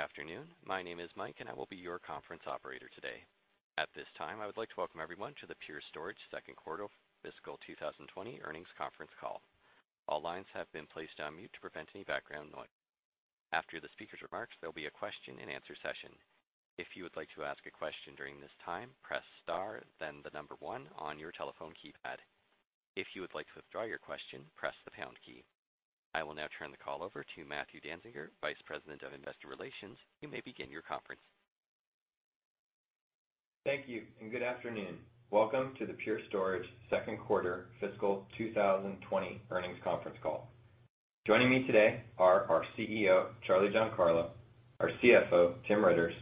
Good afternoon. My name is Mike. I will be your conference operator today. At this time, I would like to welcome everyone to the Pure Storage second quarter fiscal 2020 earnings conference call. All lines have been placed on mute to prevent any background noise. After the speaker's remarks, there will be a question and answer session. If you would like to ask a question during this time, press star, then the number 1 on your telephone keypad. If you would like to withdraw your question, press the pound key. I will now turn the call over to Matthew Danziger, Vice President of Investor Relations. You may begin your conference. Thank you, and good afternoon. Welcome to the Everpure second quarter fiscal 2020 earnings conference call. Joining me today are our CEO, Charlie Giancarlo, our CFO, Tim Riitters,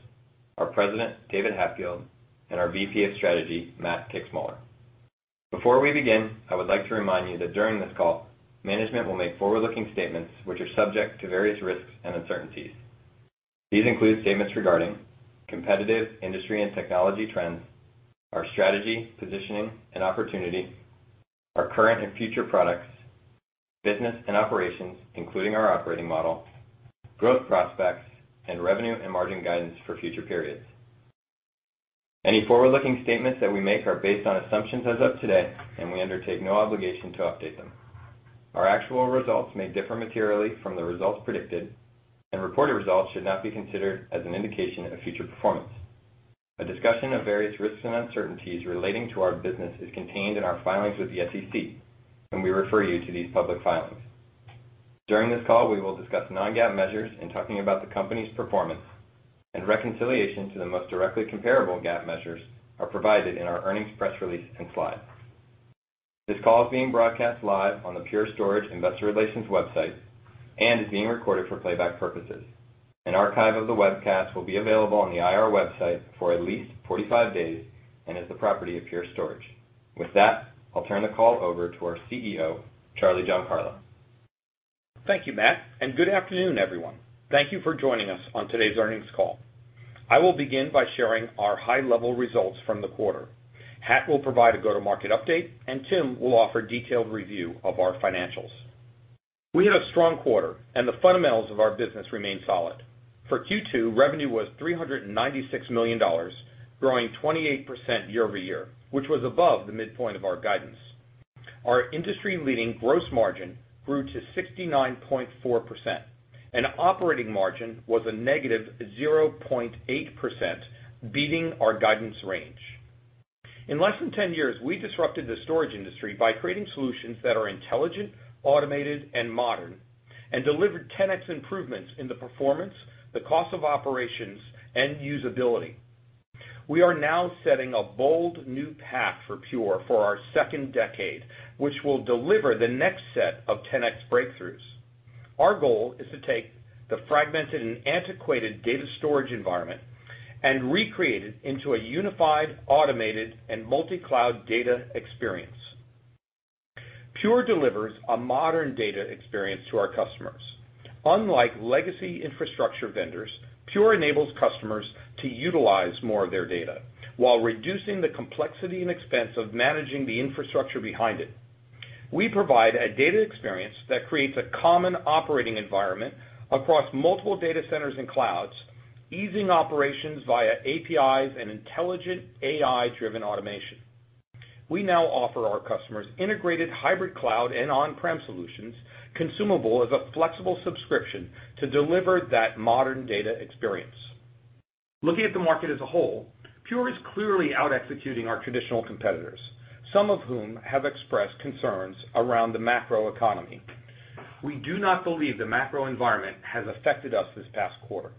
our President, David Hatfield, and our VP of Strategy, Matt Kixmoeller. Before we begin, I would like to remind you that during this call, management will make forward-looking statements which are subject to various risks and uncertainties. These include statements regarding competitive industry and technology trends, our strategy, positioning, and opportunity, our current and future products, business and operations, including our operating model, growth prospects, and revenue and margin guidance for future periods. Any forward-looking statements that we make are based on assumptions as of today, and we undertake no obligation to update them. Our actual results may differ materially from the results predicted, and reported results should not be considered as an indication of future performance. A discussion of various risks and uncertainties relating to our business is contained in our filings with the SEC. We refer you to these public filings. During this call, we will discuss non-GAAP measures in talking about the company's performance. Reconciliation to the most directly comparable GAAP measures are provided in our earnings press release and slides. This call is being broadcast live on the Pure Storage investor relations website and is being recorded for playback purposes. An archive of the webcast will be available on the IR website for at least 45 days and is the property of Pure Storage. With that, I'll turn the call over to our CEO, Charlie Giancarlo. Thank you, Matt, and good afternoon, everyone. Thank you for joining us on today's earnings call. I will begin by sharing our high-level results from the quarter. Hat will provide a go-to-market update, and Tim will offer a detailed review of our financials. We had a strong quarter, and the fundamentals of our business remain solid. For Q2, revenue was $396 million, growing 28% year-over-year, which was above the midpoint of our guidance. Our industry-leading gross margin grew to 69.4%, and operating margin was a -0.8%, beating our guidance range. In less than 10 years, we disrupted the storage industry by creating solutions that are intelligent, automated, and modern, and delivered 10x improvements in the performance, the cost of operations, and usability. We are now setting a bold new path for Pure for our second decade, which will deliver the next set of 10X breakthroughs. Our goal is to take the fragmented and antiquated data storage environment and recreate it into a unified, automated, and multi-cloud data experience. Pure delivers a modern data experience to our customers. Unlike legacy infrastructure vendors, Pure enables customers to utilize more of their data while reducing the complexity and expense of managing the infrastructure behind it. We provide a data experience that creates a common operating environment across multiple data centers and clouds, easing operations via APIs and intelligent AI-driven automation. We now offer our customers integrated hybrid cloud and on-prem solutions consumable as a flexible subscription to deliver that modern data experience. Looking at the market as a whole, Pure is clearly out-executing our traditional competitors, some of whom have expressed concerns around the macro economy. We do not believe the macro environment has affected us this past quarter.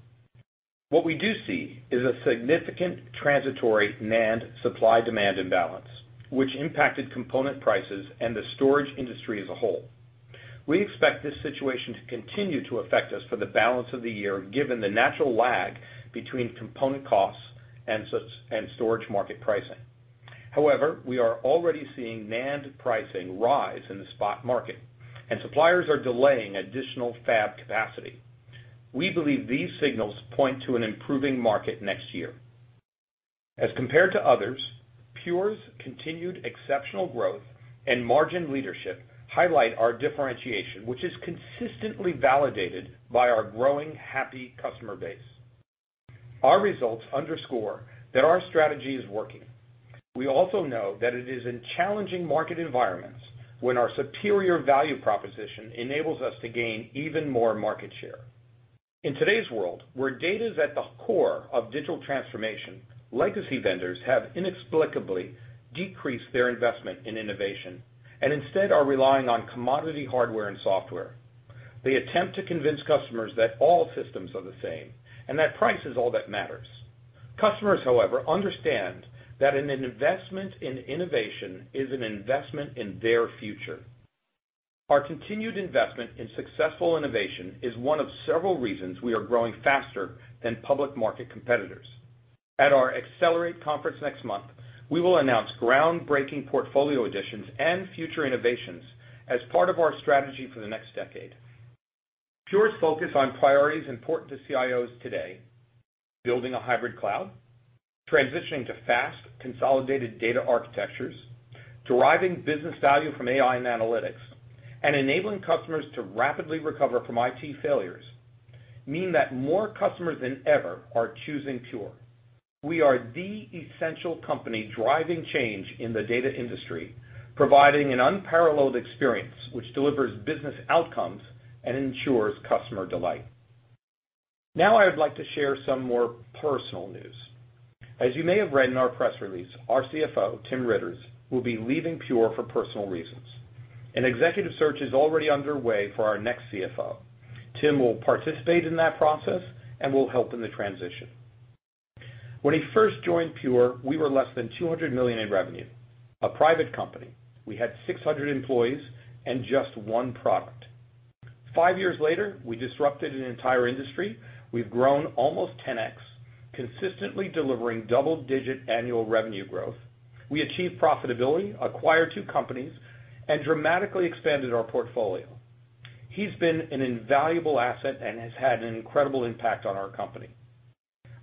What we do see is a significant transitory NAND supply-demand imbalance, which impacted component prices and the storage industry as a whole. We expect this situation to continue to affect us for the balance of the year, given the natural lag between component costs and storage market pricing. We are already seeing NAND pricing rise in the spot market, and suppliers are delaying additional fab capacity. We believe these signals point to an improving market next year. As compared to others, Pure's continued exceptional growth and margin leadership highlight our differentiation, which is consistently validated by our growing, happy customer base. Our results underscore that our strategy is working. We also know that it is in challenging market environments when our superior value proposition enables us to gain even more market share. In today's world, where data is at the core of digital transformation, legacy vendors have inexplicably decreased their investment in innovation and instead are relying on commodity hardware and software. They attempt to convince customers that all systems are the same and that price is all that matters. Customers, however, understand that an investment in innovation is an investment in their future. Our continued investment in successful innovation is one of several reasons we are growing faster than public market competitors. At our Accelerate conference next month, we will announce groundbreaking portfolio additions and future innovations as part of our strategy for the next decade. Everpure's focus on priorities important to CIOs todayBuilding a hybrid cloud, transitioning to fast, consolidated data architectures, deriving business value from AI and analytics, and enabling customers to rapidly recover from IT failures mean that more customers than ever are choosing Everpure. We are the essential company driving change in the data industry, providing an unparalleled experience which delivers business outcomes and ensures customer delight. I would like to share some more personal news. As you may have read in our press release, our CFO, Tim Riitters, will be leaving Everpure for personal reasons. An executive search is already underway for our next CFO. Tim will participate in that process and will help in the transition. When he first joined Everpure, we were less than $200 million in revenue. A private company. We had 600 employees and just one product. Five years later, we disrupted an entire industry. We've grown almost 10x, consistently delivering double-digit annual revenue growth. We achieved profitability, acquired two companies, and dramatically expanded our portfolio. He's been an invaluable asset and has had an incredible impact on our company.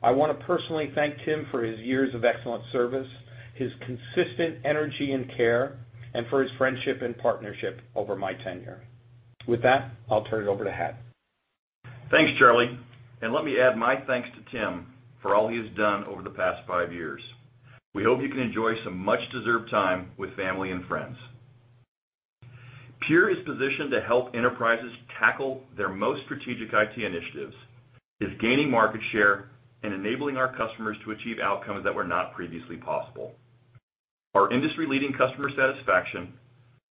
I want to personally thank Tim for his years of excellent service, his consistent energy and care, and for his friendship and partnership over my tenure. With that, I'll turn it over to Hat. Thanks, Charlie. Let me add my thanks to Tim for all he has done over the past five years. We hope you can enjoy some much-deserved time with family and friends. Everpure is positioned to help enterprises tackle their most strategic IT initiatives, is gaining market share, and enabling our customers to achieve outcomes that were not previously possible. Our industry-leading customer satisfaction,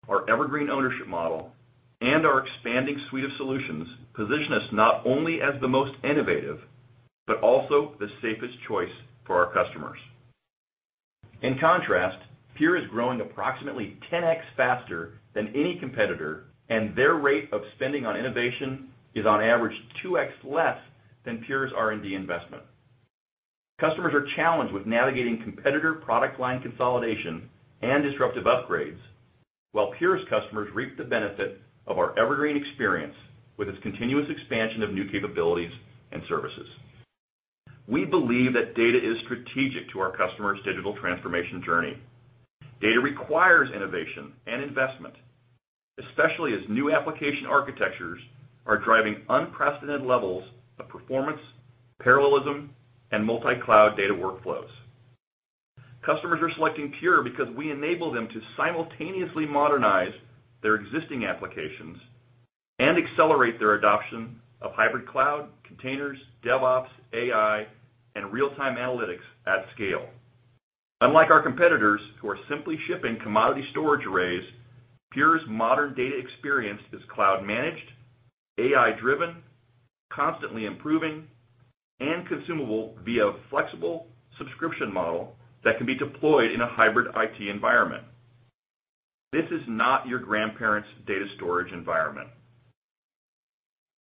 our Evergreen ownership model, and our expanding suite of solutions position us not only as the most innovative, but also the safest choice for our customers. In contrast, Everpure is growing approximately 10x faster than any competitor, and their rate of spending on innovation is on average 2x less than Everpure's R&D investment. Customers are challenged with navigating competitor product line consolidation and disruptive upgrades, while Everpure's customers reap the benefit of our Evergreen experience with its continuous expansion of new capabilities and services. We believe that data is strategic to our customers' digital transformation journey. Data requires innovation and investment, especially as new application architectures are driving unprecedented levels of performance, parallelism, and multi-cloud data workflows. Customers are selecting Pure because we enable them to simultaneously modernize their existing applications and accelerate their adoption of hybrid cloud, containers, DevOps, AI, and real-time analytics at scale. Unlike our competitors, who are simply shipping commodity storage arrays, Pure's modern data experience is cloud managed, AI driven, constantly improving, and consumable via a flexible subscription model that can be deployed in a hybrid IT environment. This is not your grandparents' data storage environment.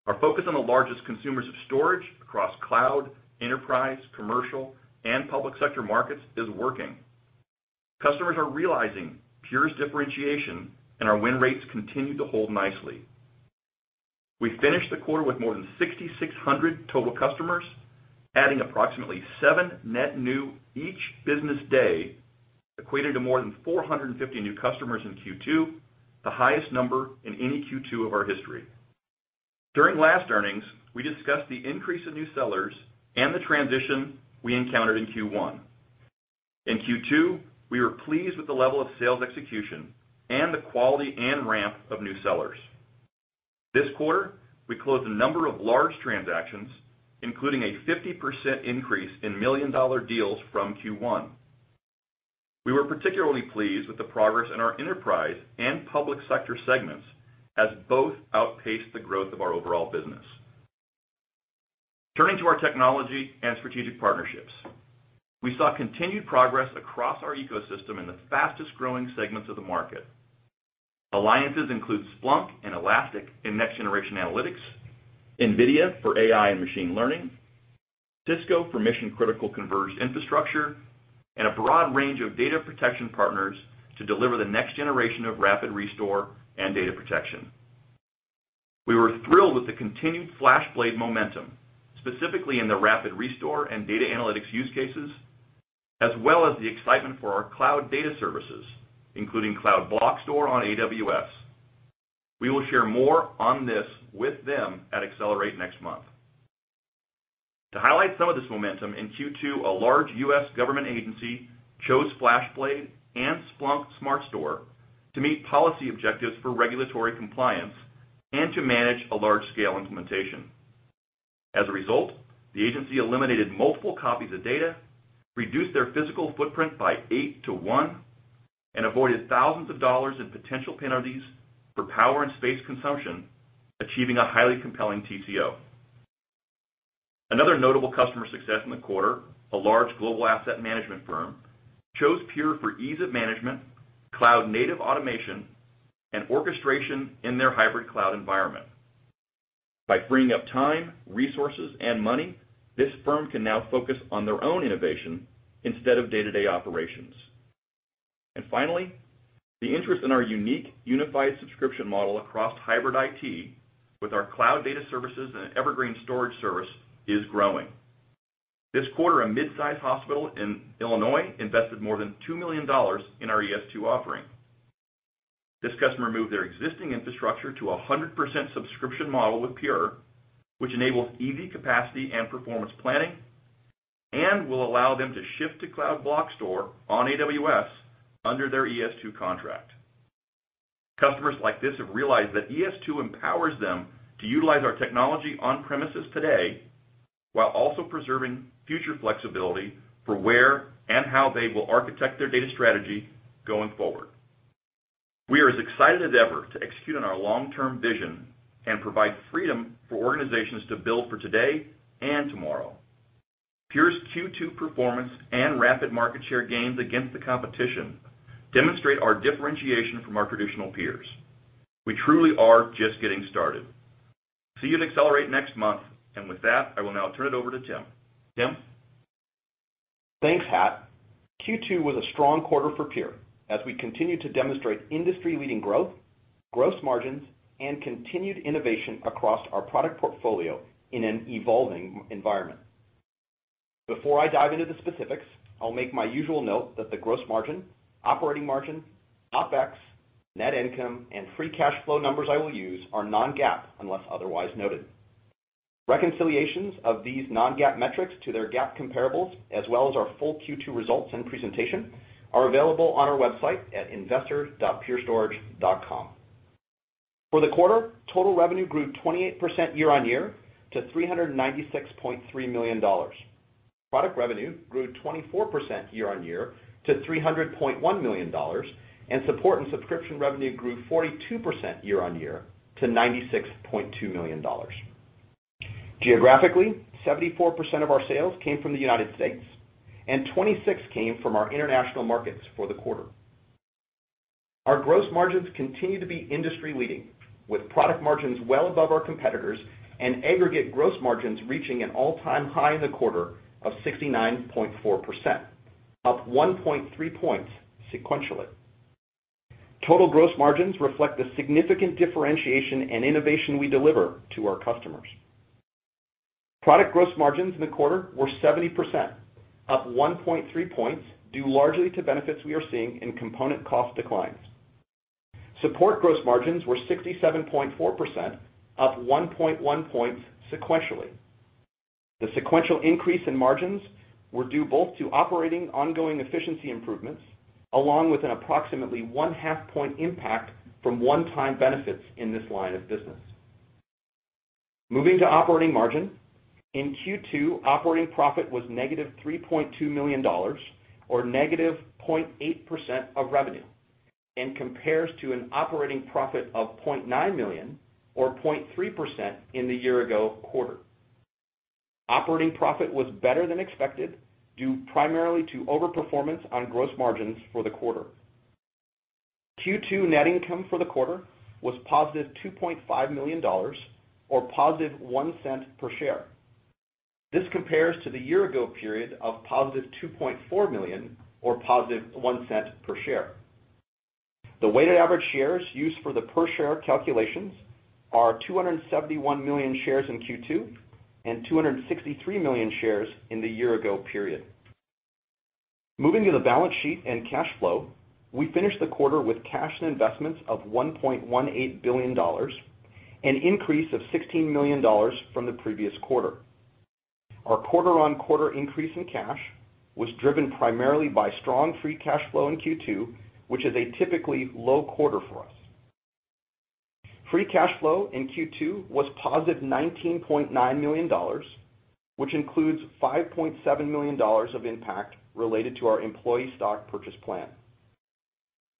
Our focus on the largest consumers of storage across cloud, enterprise, commercial, and public sector markets is working. Customers are realizing Pure's differentiation, and our win rates continue to hold nicely. We finished the quarter with more than 6,600 total customers, adding approximately seven net new each business day, equated to more than 450 new customers in Q2, the highest number in any Q2 of our history. During last earnings, we discussed the increase of new sellers and the transition we encountered in Q1. In Q2, we were pleased with the level of sales execution and the quality and ramp of new sellers. This quarter, we closed a number of large transactions, including a 50% increase in million-dollar deals from Q1. We were particularly pleased with the progress in our enterprise and public sector segments, as both outpaced the growth of our overall business. Turning to our technology and strategic partnerships. We saw continued progress across our ecosystem in the fastest-growing segments of the market. Alliances include Splunk and Elastic in next-generation analytics, NVIDIA for AI and machine learning, Cisco for mission-critical converged infrastructure, and a broad range of data protection partners to deliver the next generation of Rapid Restore and data protection. We were thrilled with the continued FlashBlade momentum, specifically in the Rapid Restore and data analytics use cases, as well as the excitement for our Cloud Data Services, including Cloud Block Store on AWS. We will share more on this with them at Accelerate next month. To highlight some of this momentum, in Q2, a large U.S. government agency chose FlashBlade and Splunk SmartStore to meet policy objectives for regulatory compliance and to manage a large-scale implementation. As a result, the agency eliminated multiple copies of data, reduced their physical footprint by eight to one, and avoided thousands of dollars in potential penalties for power and space consumption, achieving a highly compelling TCO. Another notable customer success in the quarter, a large global asset management firm, chose Pure for ease of management, cloud-native automation, and orchestration in their hybrid cloud environment. By freeing up time, resources, and money, this firm can now focus on their own innovation instead of day-to-day operations. Finally, the interest in our unique unified subscription model across hybrid IT with our Cloud Data Services and an Evergreen Storage Service is growing. This quarter, a midsize hospital in Illinois invested more than $2 million in our ES2 offering. This customer moved their existing infrastructure to 100% subscription model with Pure, which enables easy capacity and performance planning and will allow them to shift to Cloud Block Store on AWS under their ES2 contract. Customers like this have realized that ES2 empowers them to utilize our technology on-premises today while also preserving future flexibility for where and how they will architect their data strategy going forward. We are as excited as ever to execute on our long-term vision and provide freedom for organizations to build for today and tomorrow. Pure's Q2 performance and rapid market share gains against the competition demonstrate our differentiation from our traditional peers. We truly are just getting started. See you at Accelerate next month. With that, I will now turn it over to Tim. Tim? Thanks, Hat. Q2 was a strong quarter for Pure as we continue to demonstrate industry-leading growth, gross margins, and continued innovation across our product portfolio in an evolving environment. Before I dive into the specifics, I'll make my usual note that the gross margin, operating margin, OpEx, net income, and free cash flow numbers I will use are non-GAAP unless otherwise noted. Reconciliations of these non-GAAP metrics to their GAAP comparables, as well as our full Q2 results and presentation, are available on our website at investor.purestorage.com. For the quarter, total revenue grew 28% year-on-year to $396.3 million. Product revenue grew 24% year-on-year to $300.1 million. Support and subscription revenue grew 42% year-on-year to $96.2 million. Geographically, 74% of our sales came from the United States and 26% came from our international markets for the quarter. Our gross margins continue to be industry-leading, with product margins well above our competitors and aggregate gross margins reaching an all-time high in the quarter of 69.4%, up 1.3 points sequentially. Total gross margins reflect the significant differentiation and innovation we deliver to our customers. Product gross margins in the quarter were 70%, up 1.3 points, due largely to benefits we are seeing in component cost declines. Support gross margins were 67.4%, up 1.1 points sequentially. The sequential increase in margins were due both to operating ongoing efficiency improvements along with an approximately one-half point impact from one-time benefits in this line of business. Moving to operating margin, in Q2, operating profit was negative $3.2 million, or negative 0.8% of revenue, and compares to an operating profit of $0.9 million or 0.3% in the year-ago quarter. Operating profit was better than expected, due primarily to overperformance on gross margins for the quarter. Q2 net income for the quarter was positive $2.5 million, or positive $0.01 per share. This compares to the year-ago period of positive $2.4 million, or positive $0.01 per share. The weighted average shares used for the per-share calculations are 271 million shares in Q2 and 263 million shares in the year-ago period. Moving to the balance sheet and cash flow, we finished the quarter with cash and investments of $1.18 billion, an increase of $16 million from the previous quarter. Our quarter-on-quarter increase in cash was driven primarily by strong free cash flow in Q2, which is a typically low quarter for us. Free cash flow in Q2 was positive $19.9 million, which includes $5.7 million of impact related to our employee stock purchase plan.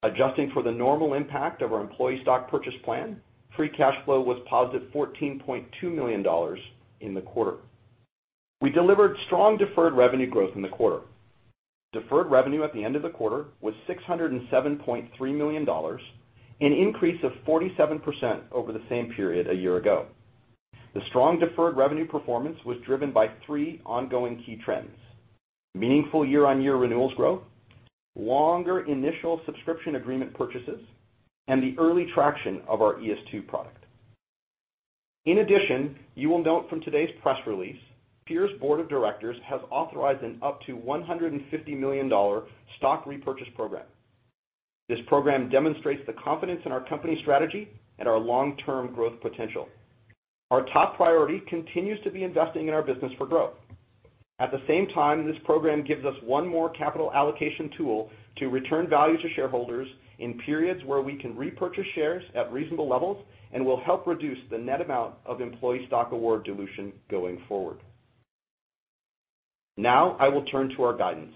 Adjusting for the normal impact of our employee stock purchase plan, free cash flow was positive $14.2 million in the quarter. We delivered strong deferred revenue growth in the quarter. Deferred revenue at the end of the quarter was $607.3 million, an increase of 47% over the same period a year ago. The strong deferred revenue performance was driven by three ongoing key trends: meaningful year-on-year renewals growth, longer initial subscription agreement purchases, and the early traction of our ES2 product. In addition, you will note from today's press release, Pure's board of directors has authorized an up to $150 million stock repurchase program. This program demonstrates the confidence in our company strategy and our long-term growth potential. Our top priority continues to be investing in our business for growth. At the same time, this program gives us one more capital allocation tool to return value to shareholders in periods where we can repurchase shares at reasonable levels and will help reduce the net amount of employee stock award dilution going forward. I will turn to our guidance.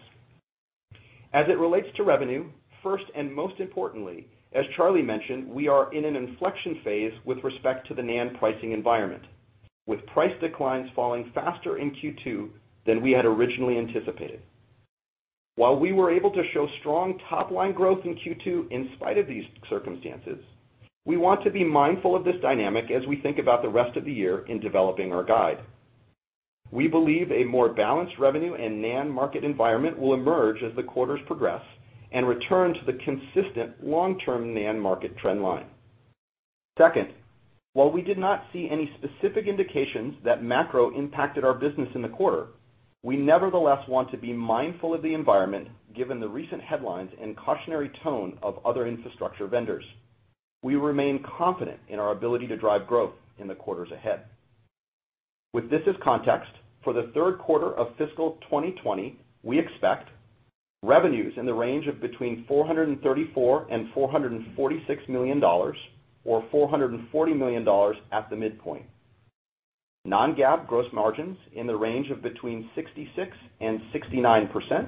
It relates to revenue, first and most importantly, as Charlie mentioned, we are in an inflection phase with respect to the NAND pricing environment, with price declines falling faster in Q2 than we had originally anticipated. We were able to show strong top-line growth in Q2 in spite of these circumstances, we want to be mindful of this dynamic as we think about the rest of the year in developing our guide. We believe a more balanced revenue and NAND market environment will emerge as the quarters progress and return to the consistent long-term NAND market trend line. Second, while we did not see any specific indications that macro impacted our business in the quarter, we nevertheless want to be mindful of the environment, given the recent headlines and cautionary tone of other infrastructure vendors. We remain confident in our ability to drive growth in the quarters ahead. With this as context, for the third quarter of fiscal 2020, we expect revenues in the range of between $434 million and $446 million, or $440 million at the midpoint. Non-GAAP gross margins in the range of between 66% and 69%,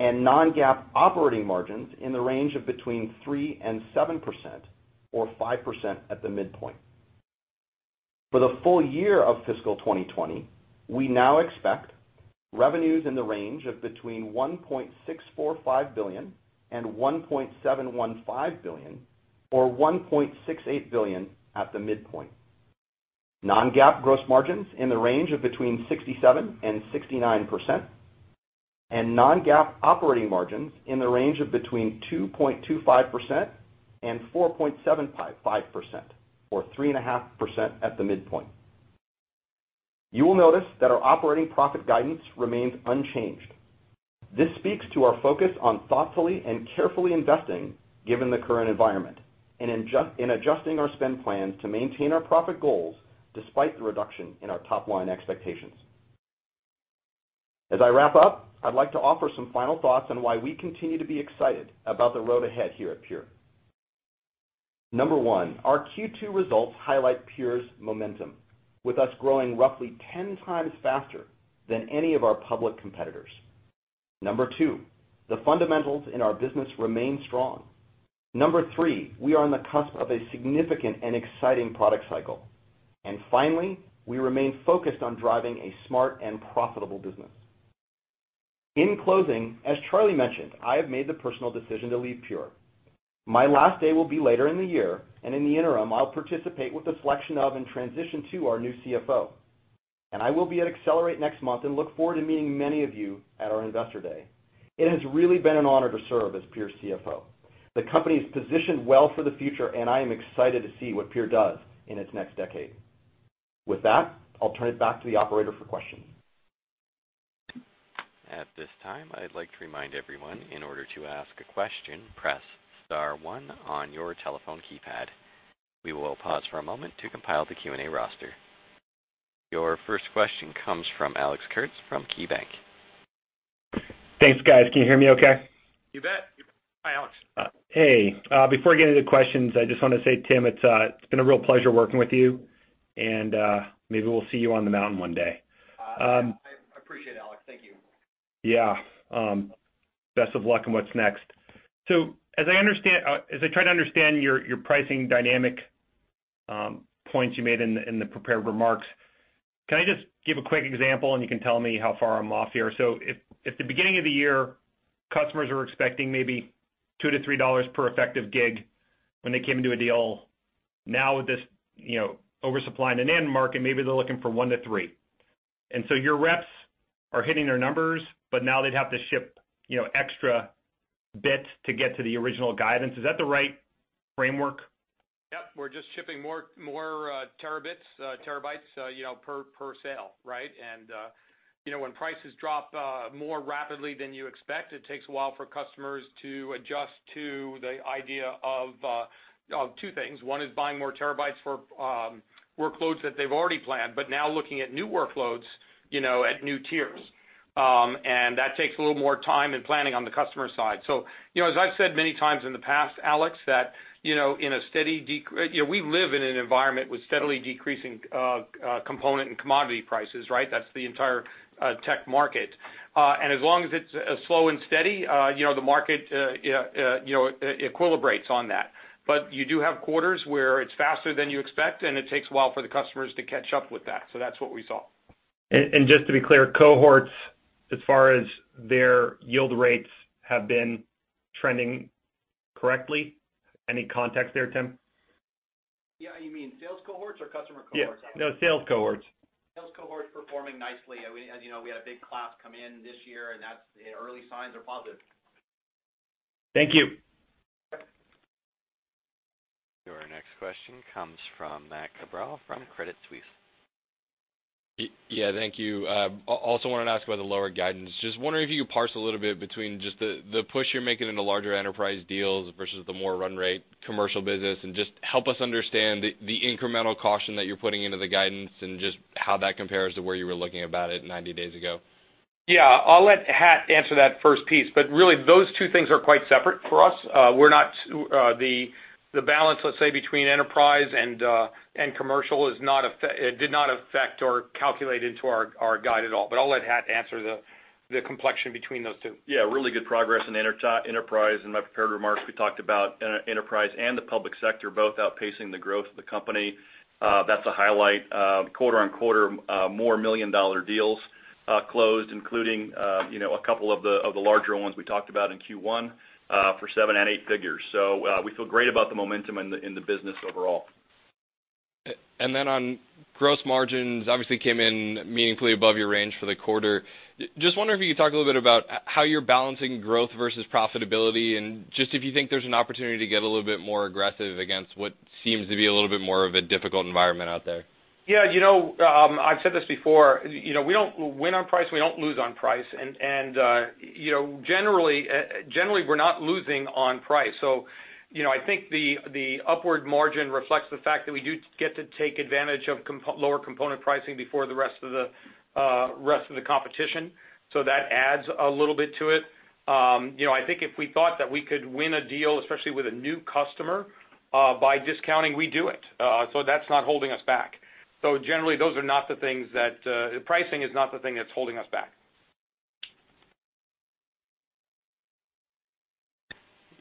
and non-GAAP operating margins in the range of between 3% and 7%, or 5% at the midpoint. For the full year of fiscal 2020, we now expect revenues in the range of between $1.645 billion and $1.715 billion, or $1.68 billion at the midpoint. Non-GAAP gross margins in the range of between 67% and 69%, and non-GAAP operating margins in the range of between 2.25% and 4.75%, or 3.5% at the midpoint. You will notice that our operating profit guidance remains unchanged. This speaks to our focus on thoughtfully and carefully investing, given the current environment, and adjusting our spend plans to maintain our profit goals despite the reduction in our top-line expectations. As I wrap up, I'd like to offer some final thoughts on why we continue to be excited about the road ahead here at Pure. Number one, our Q2 results highlight Pure's momentum, with us growing roughly 10 times faster than any of our public competitors. Number two, the fundamentals in our business remain strong. Number three, we are on the cusp of a significant and exciting product cycle. Finally, we remain focused on driving a smart and profitable business. In closing, as Charlie mentioned, I have made the personal decision to leave Everpure. My last day will be later in the year. In the interim, I'll participate with the selection of and transition to our new CFO. I will be at Accelerate next month and look forward to meeting many of you at our investor day. It has really been an honor to serve as Everpure's CFO. The company's positioned well for the future. I am excited to see what Everpure does in its next decade. With that, I'll turn it back to the operator for questions. At this time, I'd like to remind everyone, in order to ask a question, press star one on your telephone keypad. We will pause for a moment to compile the Q&A roster. Your first question comes from Alex Kurtz from KeyBanc. Thanks, guys. Can you hear me okay? You bet. Hi, Alex. Hey. Before I get into questions, I just want to say, Tim, it's been a real pleasure working with you, and maybe we'll see you on the mountain one day. I appreciate it, Alex. Thank you. Yeah. Best of luck on what's next. As I try to understand your pricing dynamic points you made in the prepared remarks, can I just give a quick example, and you can tell me how far I'm off here? If at the beginning of the year, customers are expecting maybe $2-$3 per effective gig when they came into a deal. Now with this oversupply in the NAND market, maybe they're looking for $1-$3. Your reps are hitting their numbers, but now they'd have to ship extra bits to get to the original guidance. Is that the right framework? Yep. We're just shipping more terabytes per sale, right? When prices drop more rapidly than you expect, it takes a while for customers to adjust to the idea of two things. One is buying more terabytes for workloads that they've already planned, but now looking at new workloads at new tiers. That takes a little more time and planning on the customer side. As I've said many times in the past, Alex, that we live in an environment with steadily decreasing component and commodity prices, right? That's the entire tech market. As long as it's slow and steady, the market equilibrates on that. You do have quarters where it's faster than you expect, and it takes a while for the customers to catch up with that. That's what we saw. Just to be clear, cohorts, as far as their yield rates, have been trending correctly? Any context there, Tim? Yeah. You mean sales cohorts or customer cohorts? No, sales cohorts. Sales cohorts performing nicely. As you know, we had a big class come in this year, and the early signs are positive. Thank you. Yep. Your next question comes from Matthew Cabral from Credit Suisse. Yeah. Thank you. Also wanted to ask about the lower guidance. Just wondering if you could parse a little bit between just the push you're making into larger enterprise deals versus the more run-rate commercial business. Just help us understand the incremental caution that you're putting into the guidance and just how that compares to where you were looking about it 90 days ago. Yeah. I'll let Hat answer that first piece, but really, those two things are quite separate for us. The balance, let's say, between enterprise and commercial did not affect or calculate into our guide at all. I'll let Hat answer the complexion between those two. Yeah. Really good progress in enterprise. In my prepared remarks, we talked about enterprise and the public sector both outpacing the growth of the company. That's a highlight. Quarter-on-quarter, more million-dollar deals. closed, including a couple of the larger ones we talked about in Q1 for seven and eight figures. We feel great about the momentum in the business overall. On gross margins, obviously came in meaningfully above your range for the quarter. Just wondering if you could talk a little bit about how you're balancing growth versus profitability, and just if you think there's an opportunity to get a little bit more aggressive against what seems to be a little bit more of a difficult environment out there? I've said this before. We don't win on price, we don't lose on price, and generally we're not losing on price. I think the upward margin reflects the fact that we do get to take advantage of lower component pricing before the rest of the competition. That adds a little bit to it. I think if we thought that we could win a deal, especially with a new customer, by discounting, we'd do it. That's not holding us back. Generally, pricing is not the thing that's holding us back.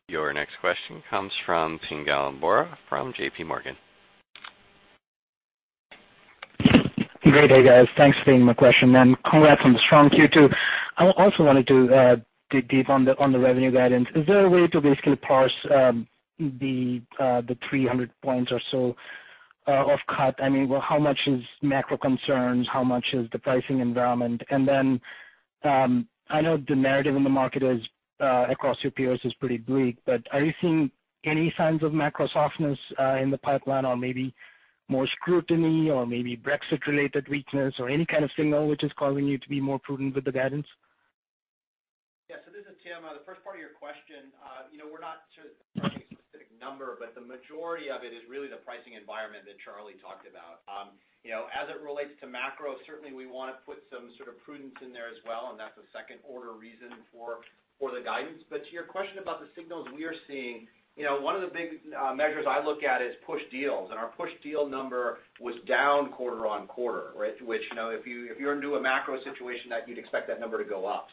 Your next question comes from Pinjalim Bora from JPMorgan. Great day, guys. Thanks for taking my question, and congrats on the strong Q2. I also wanted to dig deep on the revenue guidance. Is there a way to basically parse the 300 points or so of cut? I mean, how much is macro concerns? How much is the pricing environment? I know the narrative in the market across your peers is pretty bleak, but are you seeing any signs of macro softness in the pipeline or maybe more scrutiny or maybe Brexit-related weakness or any kind of signal which is causing you to be more prudent with the guidance? This is Tim. The first part of your question, we're not sort of targeting a specific number, but the majority of it is really the pricing environment that Charlie talked about. As it relates to macro, certainly we want to put some sort of prudence in there as well, and that's a second-order reason for the guidance. To your question about the signals we are seeing, one of the big measures I look at is pushed deals, and our pushed deal number was down quarter on quarter, right? Which if you're in a macro situation that you'd expect that number to go up.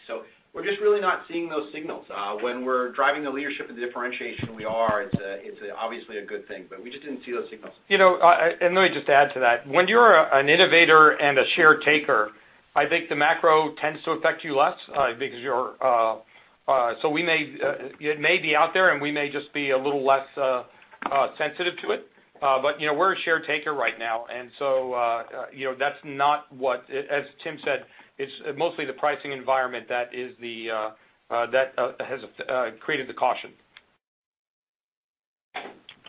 We're just really not seeing those signals. When we're driving the leadership and the differentiation we are, it's obviously a good thing, but we just didn't see those signals. Let me just add to that. When you're an innovator and a share taker, I think the macro tends to affect you less. It may be out there and we may just be a little less sensitive to it. We're a share taker right now, as Tim said, it's mostly the pricing environment that has created the caution.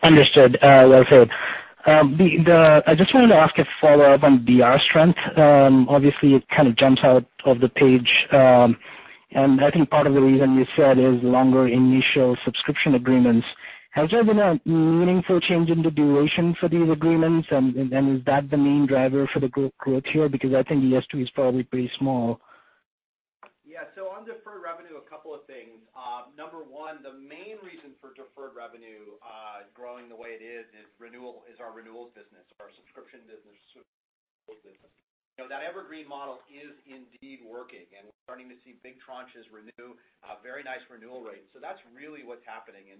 Understood. Well said. I just wanted to ask a follow-up on DR strength. Obviously, it kind of jumps out of the page. I think part of the reason you said is longer initial subscription agreements. Has there been a meaningful change in the duration for these agreements? Is that the main driver for the growth here? I think the ES2 is probably pretty small. Yeah. On deferred revenue, a couple of things. Number one, the main reason for deferred revenue growing the way it is our renewals business or our subscription business. That Evergreen model is indeed working, and we're starting to see big tranches renew, very nice renewal rates. That's really what's happening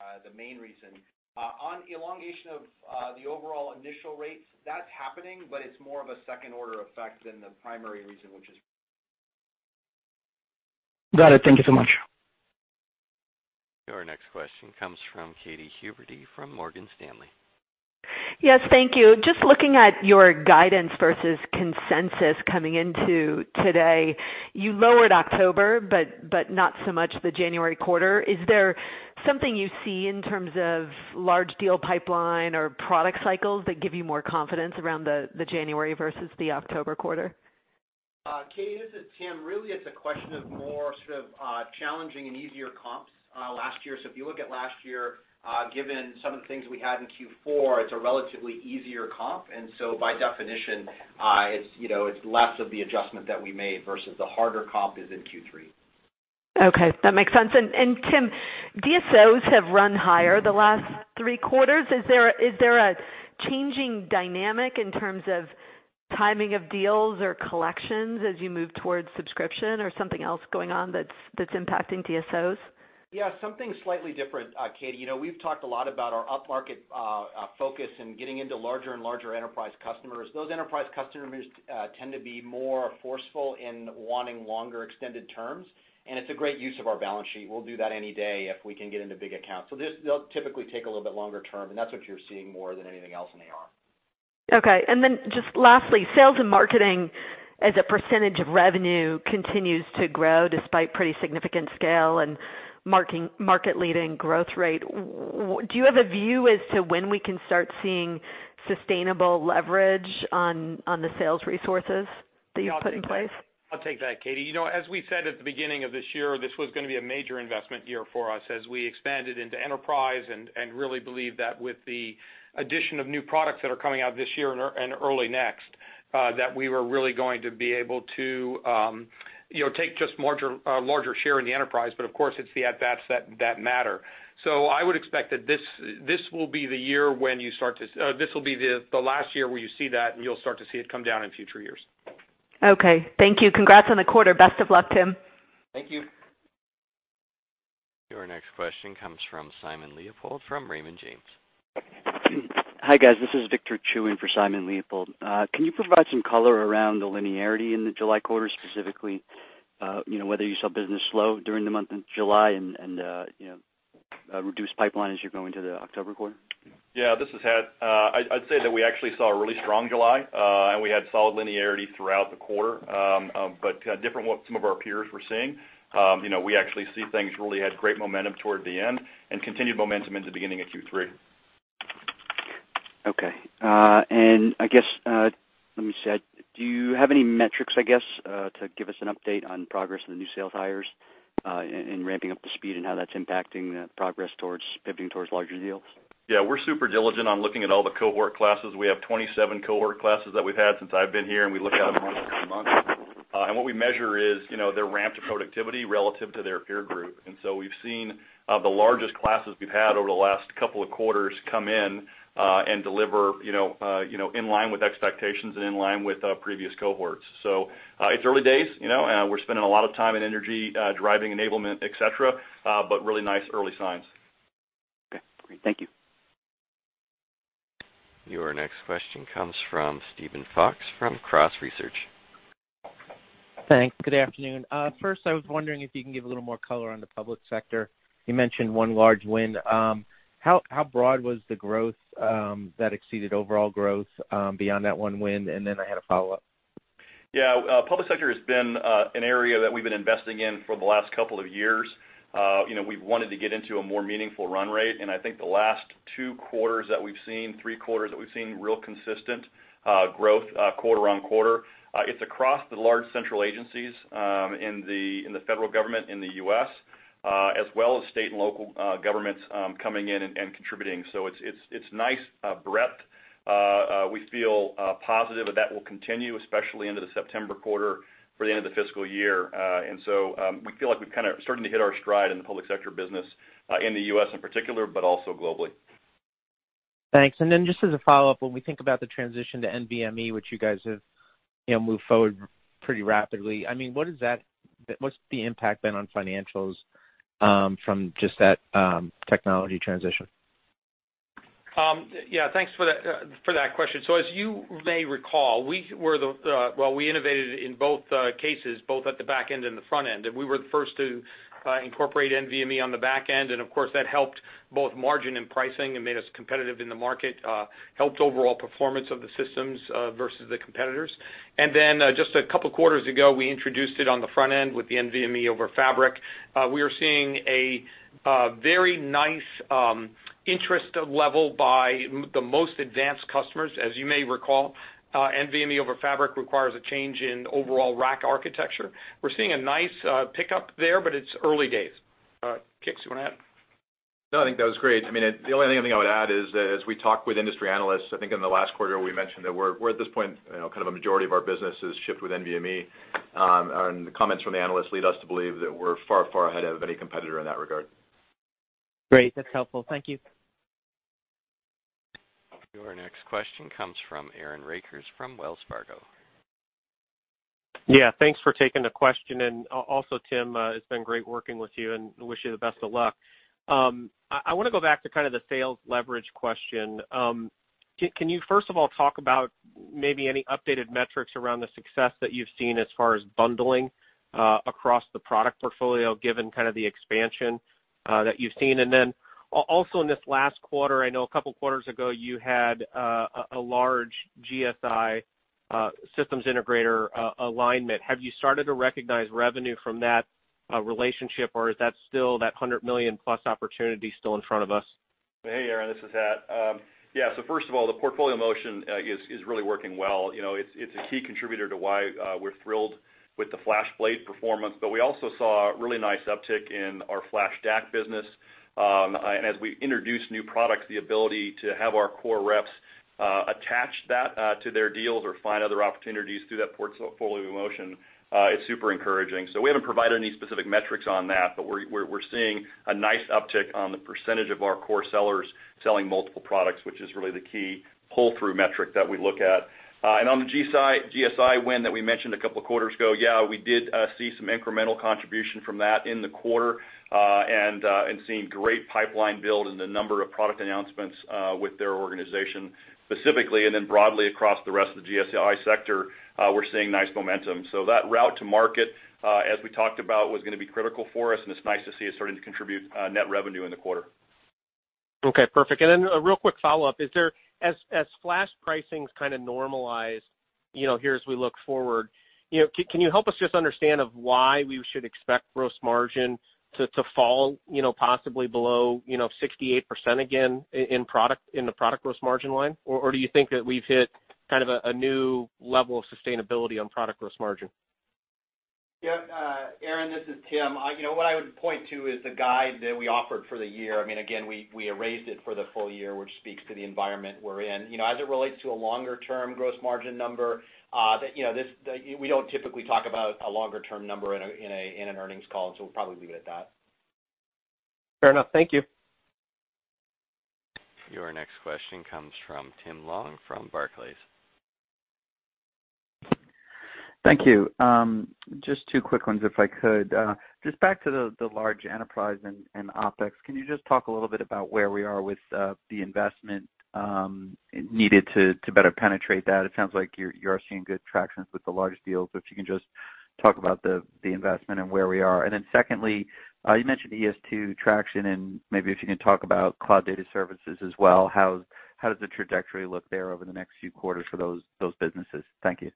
and the main reason. On elongation of the overall initial rates, that's happening, but it's more of a second-order effect than the primary reason, which is. Got it. Thank you so much. Our next question comes from Katy Huberty from Morgan Stanley. Yes, thank you. Just looking at your guidance versus consensus coming into today. You lowered October, but not so much the January quarter. Is there something you see in terms of large deal pipeline or product cycles that give you more confidence around the January versus the October quarter? Katy, this is Tim. Really, it's a question of more sort of challenging and easier comps last year. If you look at last year, given some of the things we had in Q4, it's a relatively easier comp. By definition, it's less of the adjustment that we made versus the harder comp is in Q3. Okay. That makes sense. Tim, DSOs have run higher the last three quarters. Is there a changing dynamic in terms of timing of deals or collections as you move towards subscription or something else going on that's impacting DSOs? Something slightly different, Katy. We've talked a lot about our upmarket focus and getting into larger and larger enterprise customers. Those enterprise customers tend to be more forceful in wanting longer extended terms, and it's a great use of our balance sheet. We'll do that any day if we can get into big accounts. They'll typically take a little bit longer term, and that's what you're seeing more than anything else in AR. Okay. Just lastly, sales and marketing as a % of revenue continues to grow despite pretty significant scale and market-leading growth rate. Do you have a view as to when we can start seeing sustainable leverage on the sales resources that you've put in place? I'll take that, Katy. As we said at the beginning of this year, this was going to be a major investment year for us as we expanded into enterprise, and really believe that with the addition of new products that are coming out this year and early next, that we were really going to be able to take just larger share in the enterprise. Of course, it's the add backs that matter. I would expect that this will be the last year where you see that, and you'll start to see it come down in future years. Okay. Thank you. Congrats on the quarter. Best of luck, Tim. Thank you. Our next question comes from Simon Leopold from Raymond James. Hi, guys. This is Victor Chiu in for Simon Leopold. Can you provide some color around the linearity in the July quarter, specifically whether you saw business slow during the month of July and a reduced pipeline as you're going to the October quarter? Yeah, this is Hat. I'd say that we actually saw a really strong July, and we had solid linearity throughout the quarter. Different what some of our peers were seeing, we actually see things really had great momentum toward the end and continued momentum into beginning of Q3. Okay. I guess, let me see. Do you have any metrics, I guess, to give us an update on progress of the new sales hires, in ramping up to speed and how that's impacting the progress towards pivoting towards larger deals? Yeah, we're super diligent on looking at all the cohort classes. We have 27 cohort classes that we've had since I've been here, we look at them once a month. What we measure is their ramp to productivity relative to their peer group. We've seen the largest classes we've had over the last couple of quarters come in and deliver in line with expectations and in line with previous cohorts. It's early days, and we're spending a lot of time and energy driving enablement, et cetera, but really nice early signs. Okay, great. Thank you. Your next question comes from Steven Fox from Cross Research. Thanks. Good afternoon. First I was wondering if you can give a little more color on the public sector. You mentioned one large win. How broad was the growth that exceeded overall growth beyond that one win? I had a follow-up. Yeah. Public sector has been an area that we've been investing in for the last couple of years. We've wanted to get into a more meaningful run rate, and I think the last two quarters that we've seen, three quarters that we've seen real consistent growth quarter on quarter. It's across the large central agencies in the federal government in the U.S. as well as state and local governments coming in and contributing. It's nice breadth. We feel positive that will continue, especially into the September quarter for the end of the fiscal year. We feel like we're starting to hit our stride in the public sector business in the U.S. in particular, but also globally. Thanks. Just as a follow-up, when we think about the transition to NVMe, which you guys have moved forward pretty rapidly, what's the impact been on financials from just that technology transition? Thanks for that question. As you may recall, we innovated in both cases, both at the back end and the front end. We were the first to incorporate NVMe on the back end, and of course, that helped both margin and pricing and made us competitive in the market, helped overall performance of the systems versus the competitors. Just a couple of quarters ago, we introduced it on the front end with the NVMe over Fabric. We are seeing a very nice interest level by the most advanced customers. As you may recall, NVMe over Fabric requires a change in overall rack architecture. We're seeing a nice pickup there, but it's early days. Kix, you want to add? No, I think that was great. The only other thing I would add is that as we talk with industry analysts, I think in the last quarter we mentioned that we're at this point, a majority of our business is shipped with NVMe. The comments from the analysts lead us to believe that we're far, far ahead of any competitor in that regard. Great. That's helpful. Thank you. Your next question comes from Aaron Rakers from Wells Fargo. Yeah, thanks for taking the question. Also Tim, it's been great working with you, and wish you the best of luck. I want to go back to the sales leverage question. Can you first of all talk about maybe any updated metrics around the success that you've seen as far as bundling across the product portfolio, given the expansion that you've seen? Then also in this last quarter, I know a couple quarters ago you had a large GSI systems integrator alignment. Have you started to recognize revenue from that relationship, or is that still that $100 million plus opportunity still in front of us? Hey, Aaron, this is Hat. Yeah. First of all, the portfolio motion is really working well. It's a key contributor to why we're thrilled with the FlashBlade performance, but we also saw a really nice uptick in our FlashArray business. As we introduce new products, the ability to have our core reps attach that to their deals or find other opportunities through that portfolio motion is super encouraging. We haven't provided any specific metrics on that, but we're seeing a nice uptick on the percentage of our core sellers selling multiple products, which is really the key pull-through metric that we look at. On the GSI win that we mentioned a couple of quarters ago, yeah, we did see some incremental contribution from that in the quarter, and seeing great pipeline build in the number of product announcements with their organization specifically, and then broadly across the rest of the GSI sector, we're seeing nice momentum. That route to market, as we talked about, was going to be critical for us, and it's nice to see it starting to contribute net revenue in the quarter. Okay, perfect. A real quick follow-up. As Flash pricing is normalized here as we look forward, can you help us just understand of why we should expect gross margin to fall possibly below 68% again in the product gross margin line? Do you think that we've hit a new level of sustainability on product gross margin? Yeah. Aaron, this is Tim. What I would point to is the guide that we offered for the year. Again, we raised it for the full year, which speaks to the environment we're in. As it relates to a longer-term gross margin number, we don't typically talk about a longer-term number in an earnings call, and so we'll probably leave it at that. Fair enough. Thank you. Your next question comes from Tim Long from Barclays. Thank you. Just two quick ones if I could. Just back to the large enterprise and OpEx. Can you just talk a little bit about where we are with the investment needed to better penetrate that? It sounds like you're seeing good traction with the large deals, if you can just talk about the investment and where we are. Secondly, you mentioned ES2 traction, and maybe if you can talk about Cloud Data Services as well, how does the trajectory look there over the next few quarters for those businesses? Thank you.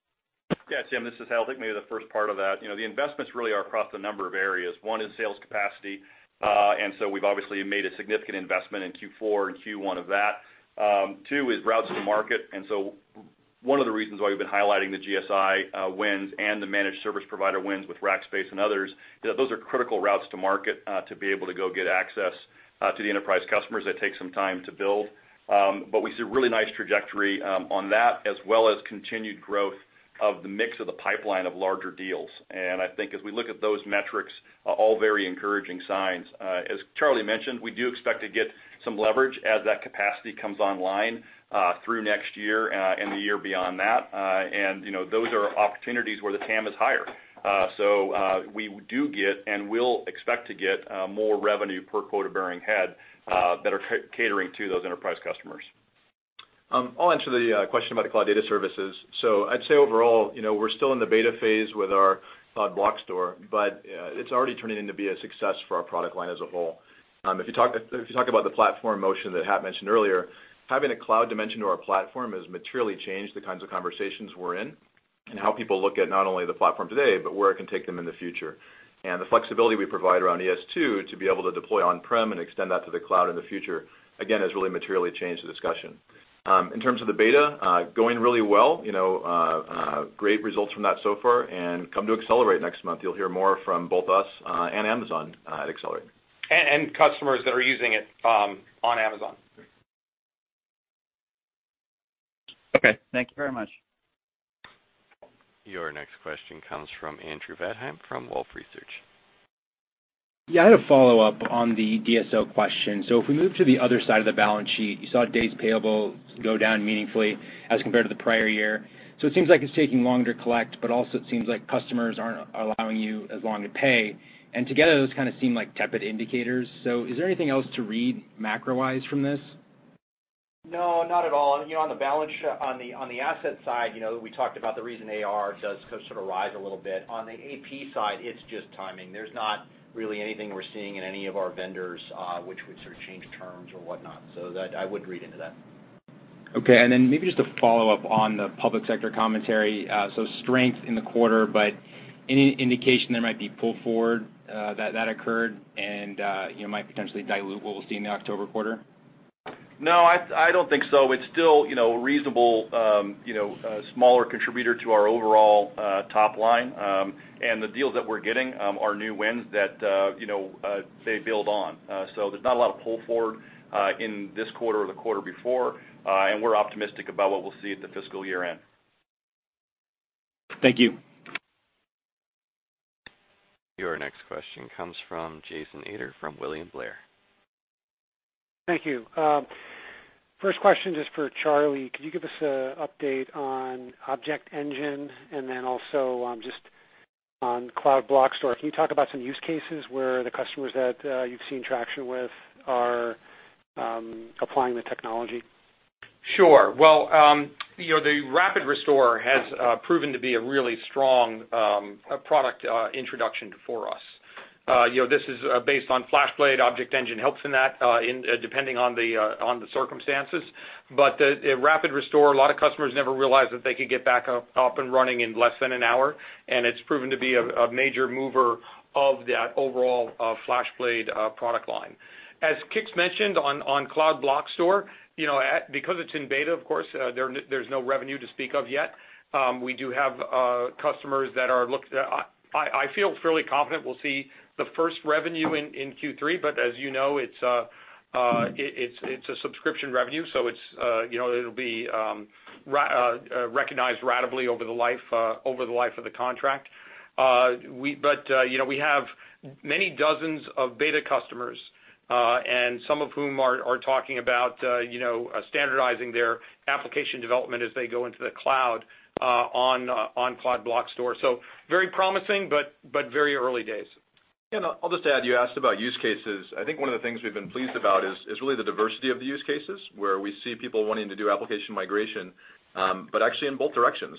Yeah, Tim, this is Hat. I'll take maybe the first part of that. The investments really are across a number of areas. One is sales capacity. We've obviously made a significant investment in Q4 and Q1 of that. Two is routes to market. One of the reasons why we've been highlighting the GSI wins and the managed service provider wins with Rackspace and others, those are critical routes to market to be able to go get access to the enterprise customers. That takes some time to build. We see a really nice trajectory on that, as well as continued growth of the mix of the pipeline of larger deals. I think as we look at those metrics, all very encouraging signs. As Charlie mentioned, we do expect to get some leverage as that capacity comes online through next year and the year beyond that. Those are opportunities where the TAM is higher. We do get, and will expect to get, more revenue per quota-bearing head that are catering to those enterprise customers. I'll answer the question about the cloud data services. I'd say overall, we're still in the beta phase with our Cloud Block Store, but it's already turning into be a success for our product line as a whole. If you talk about the platform motion that Hat mentioned earlier, having a cloud dimension to our platform has materially changed the kinds of conversations we're in and how people look at not only the platform today, but where it can take them in the future. The flexibility we provide around ES2 to be able to deploy on-prem and extend that to the cloud in the future, again, has really materially changed the discussion. In terms of the beta, going really well. Great results from that so far, and come to Accelerate next month, you'll hear more from both us and Amazon at Accelerate. Customers that are using it on Amazon. Okay, thank you very much. Your next question comes from Andrew Vadheim from Wolfe Research. Yeah, I had a follow-up on the DSO question. If we move to the other side of the balance sheet, you saw days payable go down meaningfully as compared to the prior year. It seems like it's taking longer to collect, but also it seems like customers aren't allowing you as long to pay, and together those kind of seem like tepid indicators. Is there anything else to read macro-wise from this? No, not at all. On the asset side, we talked about the reason AR does sort of rise a little bit. On the AP side, it's just timing. There's not really anything we're seeing in any of our vendors, which would sort of change terms or whatnot. That I wouldn't read into that. Okay, maybe just a follow-up on the public sector commentary. Strength in the quarter, but any indication there might be pull forward that occurred and might potentially dilute what we'll see in the October quarter? No, I don't think so. It's still a reasonable smaller contributor to our overall top line. The deals that we're getting are new wins that they build on. There's not a lot of pull forward in this quarter or the quarter before, and we're optimistic about what we'll see at the fiscal year-end. Thank you. Your next question comes from Jason Ader from William Blair. Thank you. First question, just for Charlie, could you give us an update on ObjectEngine? Also just on Cloud Block Store, can you talk about some use cases where the customers that you've seen traction with are applying the technology? Sure. Well, the Rapid Restore has proven to be a really strong product introduction for us. This is based on FlashBlade, ObjectEngine helps in that depending on the circumstances. Rapid Restore, a lot of customers never realized that they could get back up and running in less than an hour, and it's proven to be a major mover of that overall FlashBlade product line. As Kix mentioned on Cloud Block Store, because it's in beta, of course, there's no revenue to speak of yet. We do have customers that I feel fairly confident we'll see the first revenue in Q3, but as you know, it's a subscription revenue, so it'll be recognized ratably over the life of the contract. We have many dozens of beta customers, and some of whom are talking about standardizing their application development as they go into the cloud on Cloud Block Store. Very promising, but very early days. I'll just add, you asked about use cases. I think one of the things we've been pleased about is really the diversity of the use cases, where we see people wanting to do application migration, but actually in both directions.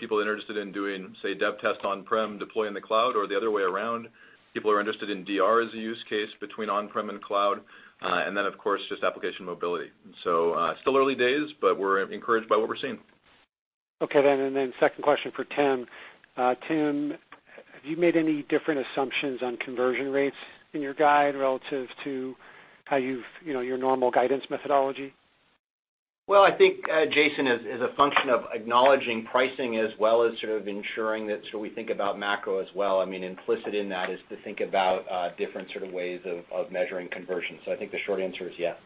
People interested in doing, say, dev test on-prem deploy in the cloud or the other way around. People are interested in DR as a use case between on-prem and cloud. Then, of course, just application mobility. Still early days, but we're encouraged by what we're seeing. Okay then, second question for Tim. Tim, have you made any different assumptions on conversion rates in your guide relative to your normal guidance methodology? Well, I think, Jason, as a function of acknowledging pricing as well as sort of ensuring that we think about macro as well, I mean, implicit in that is to think about different sort of ways of measuring conversions. I think the short answer is yes.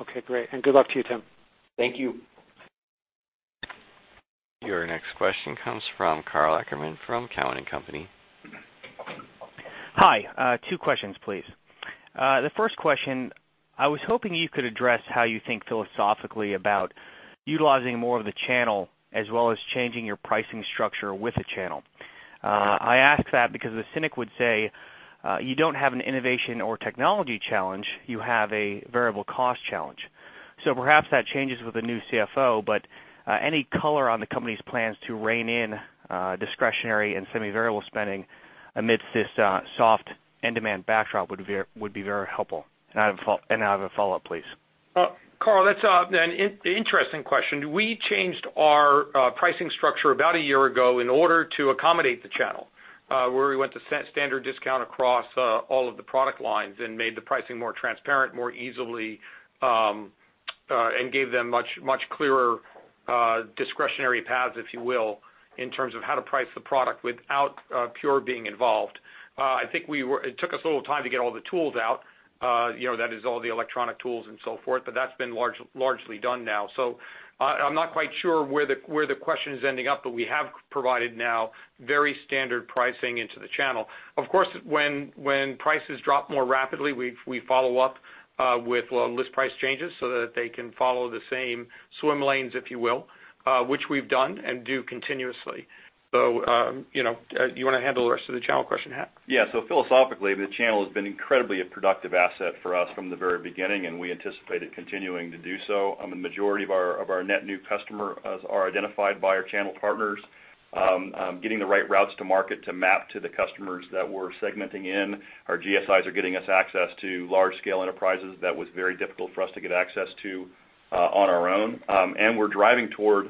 Okay, great. Good luck to you, Tim. Thank you. Your next question comes from Karl Ackerman from Cowen and Company. Hi. Two questions, please. The first question, I was hoping you could address how you think philosophically about utilizing more of the channel, as well as changing your pricing structure with the channel. I ask that because a cynic would say, you don't have an innovation or technology challenge, you have a variable cost challenge. Perhaps that changes with the new CFO, but any color on the company's plans to rein in discretionary and semi-variable spending amidst this soft end demand backdrop would be very helpful. I have a follow-up, please. Karl, that's an interesting question. We changed our pricing structure about a year ago in order to accommodate the channel, where we went to standard discount across all of the product lines and made the pricing more transparent, more easily, and gave them much clearer discretionary paths, if you will, in terms of how to price the product without Pure being involved. I think it took us a little time to get all the tools out. That is all the electronic tools and so forth, but that's been largely done now. I'm not quite sure where the question is ending up, but we have provided now very standard pricing into the channel. Of course, when prices drop more rapidly, we follow up with list price changes so that they can follow the same swim lanes, if you will, which we've done and do continuously. You want to handle the rest of the channel question, Hat? Yeah. Philosophically, the channel has been incredibly a productive asset for us from the very beginning, and we anticipated continuing to do so. The majority of our net new customer are identified by our channel partners. Getting the right routes to market to map to the customers that we're segmenting in. Our GSIs are getting us access to large scale enterprises that was very difficult for us to get access to on our own. We're driving toward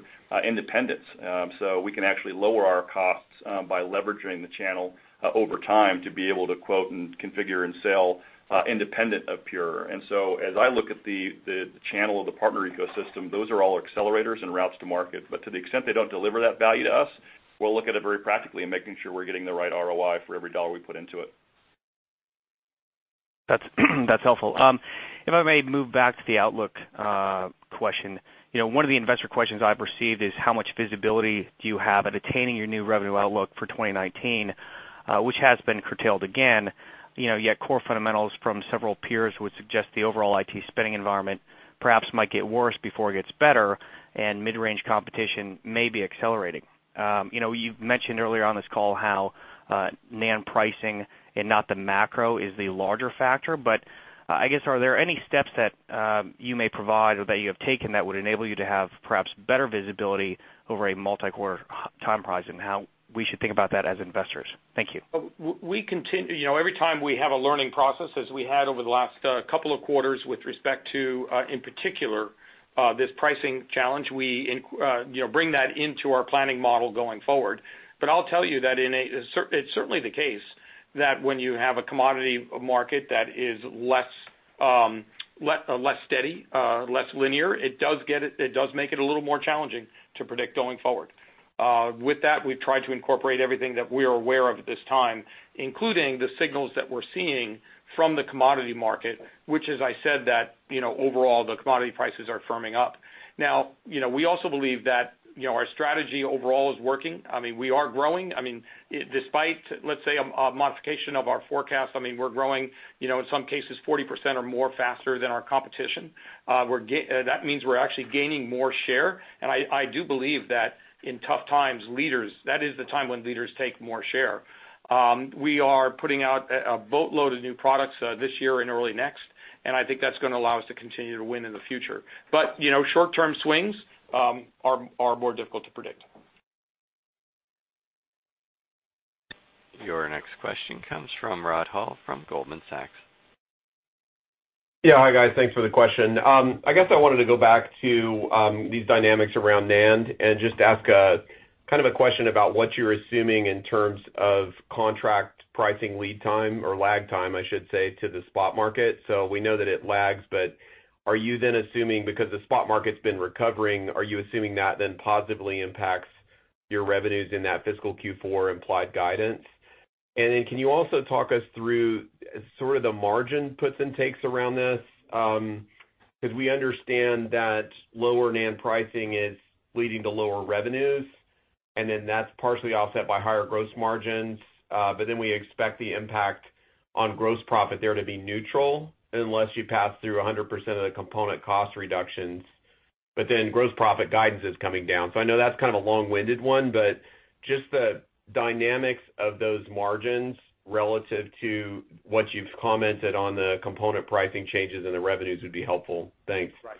independence. We can actually lower our costs by leveraging the channel over time to be able to quote and configure and sell independent of Pure. As I look at the channel of the partner ecosystem, those are all accelerators and routes to market. To the extent they don't deliver that value to us, we'll look at it very practically and making sure we're getting the right ROI for every dollar we put into it. That's helpful. If I may move back to the outlook question. One of the investor questions I've received is how much visibility do you have at attaining your new revenue outlook for 2019, which has been curtailed again. Core fundamentals from several peers would suggest the overall IT spending environment perhaps might get worse before it gets better, and mid-range competition may be accelerating. You've mentioned earlier on this call how NAND pricing and not the macro is the larger factor. I guess, are there any steps that you may provide or that you have taken that would enable you to have perhaps better visibility over a multi-quarter time horizon? How we should think about that as investors? Thank you. Every time we have a learning process, as we had over the last couple of quarters with respect to, in particular, this pricing challenge, we bring that into our planning model going forward. I'll tell you that it's certainly the case that when you have a commodity market that is less steady, less linear, it does make it a little more challenging to predict going forward. With that, we've tried to incorporate everything that we are aware of at this time, including the signals that we're seeing from the commodity market, which, as I said, that overall the commodity prices are firming up. We also believe that our strategy overall is working. We are growing. Despite, let's say, a modification of our forecast, we're growing, in some cases, 40% or more faster than our competition. That means we're actually gaining more share. I do believe that in tough times, that is the time when leaders take more share. We are putting out a boatload of new products this year and early next. I think that's going to allow us to continue to win in the future. Short-term swings are more difficult to predict. Your next question comes from Rod Hall from Goldman Sachs. Yeah. Hi, guys. Thanks for the question. I guess I wanted to go back to these dynamics around NAND and just ask a question about what you're assuming in terms of contract pricing lead time or lag time, I should say, to the spot market. We know that it lags, but are you then assuming, because the spot market's been recovering, are you assuming that then positively impacts your revenues in that fiscal Q4 implied guidance? Can you also talk us through sort of the margin puts and takes around this? We understand that lower NAND pricing is leading to lower revenues, and then that's partially offset by higher gross margins. We expect the impact on gross profit there to be neutral unless you pass through 100% of the component cost reductions. Gross profit guidance is coming down. I know that's kind of a long-winded one, but just the dynamics of those margins relative to what you've commented on the component pricing changes and the revenues would be helpful. Thanks. Right.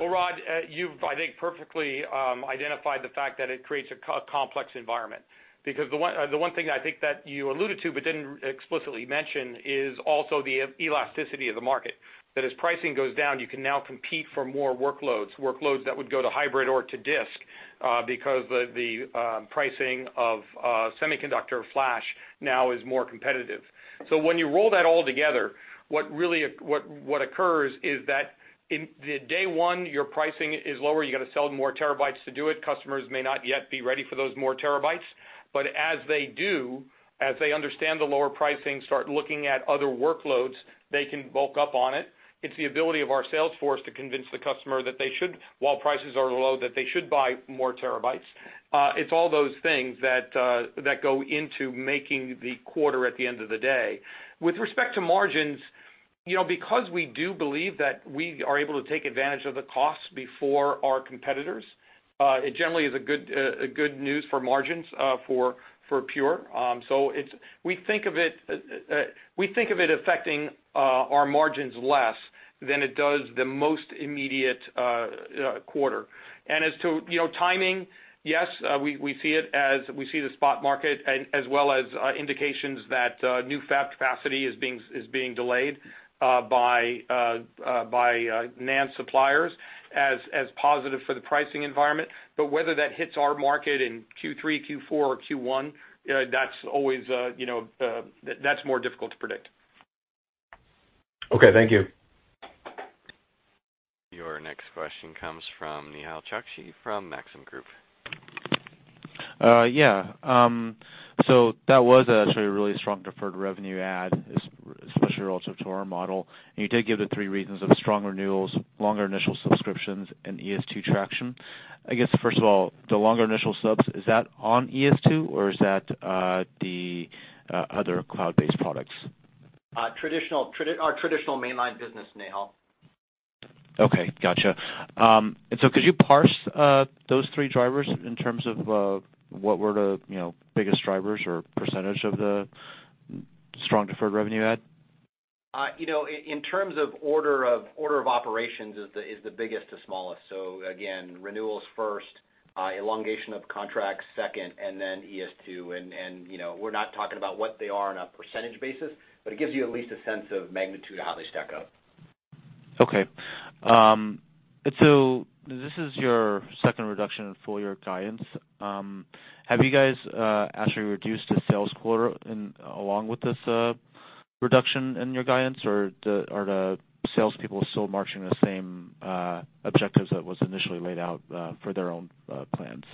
Well, Rod, you've, I think, perfectly identified the fact that it creates a complex environment. The one thing I think that you alluded to but didn't explicitly mention is also the elasticity of the market. That as pricing goes down, you can now compete for more workloads that would go to hybrid or to disk, because the pricing of semiconductor flash now is more competitive. When you roll that all together, what occurs is that in the day one, your pricing is lower. You got to sell more terabytes to do it. Customers may not yet be ready for those more terabytes. As they do, as they understand the lower pricing, start looking at other workloads, they can bulk up on it. It's the ability of our sales force to convince the customer that they should, while prices are low, that they should buy more terabytes. It's all those things that go into making the quarter at the end of the day. With respect to margins. We do believe that we are able to take advantage of the costs before our competitors, it generally is a good news for margins for Pure. We think of it affecting our margins less than it does the most immediate quarter. As to timing, yes, we see the spot market, as well as indications that new fab capacity is being delayed by NAND suppliers as positive for the pricing environment. Whether that hits our market in Q3, Q4, or Q1, that's more difficult to predict. Okay, thank you. Your next question comes from Nehal Chokshi from Maxim Group. That was actually a really strong deferred revenue add, especially relative to our model. You did give the three reasons of strong renewals, longer initial subscriptions, and ES2 traction. I guess, first of all, the longer initial subs, is that on ES2, or is that the other cloud-based products? Our traditional mainline business, Nehal. Okay, got you. Could you parse those three drivers in terms of what were the biggest drivers or percentage of the strong deferred revenue add? In terms of order of operations is the biggest to smallest. Again, renewal is first, elongation of contracts second, and then ES2. We're not talking about what they are on a percentage basis, but it gives you at least a sense of magnitude of how they stack up. Okay. This is your second reduction in full-year guidance. Have you guys actually reduced the sales quota along with this reduction in your guidance, or are the salespeople still marching the same objectives that was initially laid out for their own plans?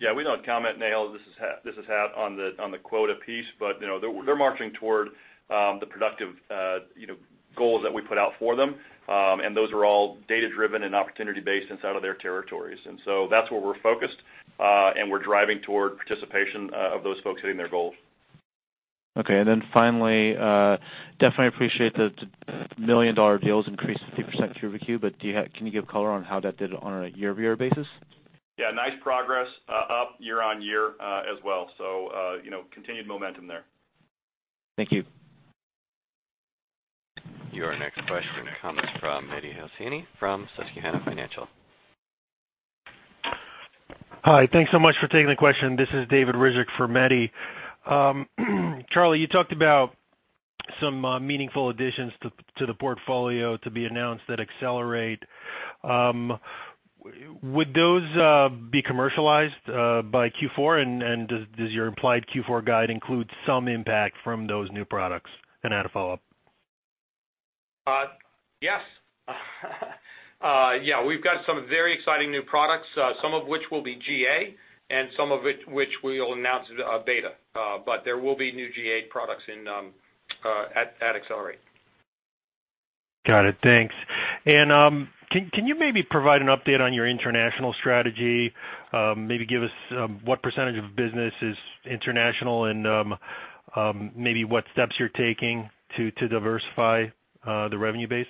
Yeah, we don't comment, Nehal. This is Hat on the quota piece, they're marching toward the productive goals that we put out for them. Those are all data-driven and opportunity-based inside of their territories. That's where we're focused, and we're driving toward participation of those folks hitting their goals. Okay. Finally, definitely appreciate the million-dollar deals increased 50% quarter by Q, but can you give color on how that did on a year-over-year basis? Yeah, nice progress up year-on-year as well. Continued momentum there. Thank you. Your next question comes from Mehdi Hosseini from Susquehanna Financial. Hi. Thanks so much for taking the question. This is David Rizik for Mehdi. Charlie, you talked about some meaningful additions to the portfolio to be announced at Accelerate. Would those be commercialized by Q4? Does your implied Q4 guide include some impact from those new products? I had a follow-up. Yes. Yeah we've got some very exciting new products, some of which will be GA and some of which we'll announce as beta. There will be new GA products at Accelerate. Got it. Thanks. Can you maybe provide an update on your international strategy? Maybe give us what percentage of business is international and maybe what steps you're taking to diversify the revenue base?